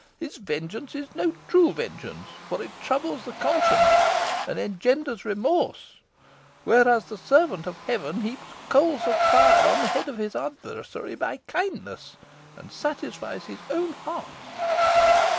His vengeance is no true vengeance, for it troubles the conscience, and engenders remorse; whereas the servant of heaven heaps coals of fire on the head of his adversary by kindness, and satisfies his own heart."